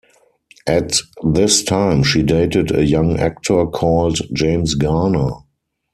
At this time she dated a young actor called James Garner.